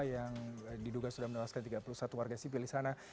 yang diduga sudah menewaskan tiga puluh satu warga sipil di sana